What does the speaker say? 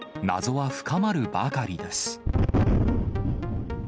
謎は深まるばかりです。